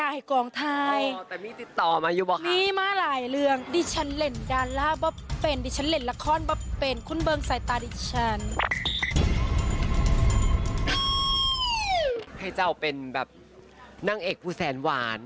ให้คุณภาพรีชจะเป็นนางเอกซูแซลหวาน